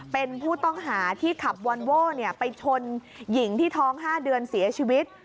เป็นผู้ต้องหาที่ขับวอนโว้ไปชนหญิงที่ท้อง๕เดือนเสียชีวิต